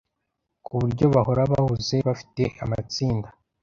ku buryo bahora bahuze Bafite amatsinda